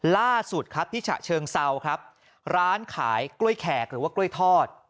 ล่าสุดที่ฉะเชิงเศร้าร้านขายกล้วยแขกหรือกล้วยทอด